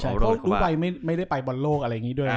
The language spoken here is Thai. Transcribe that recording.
อุรุกวัยไม่ได้ไปบนโลกอะไรอย่างนี้ด้วย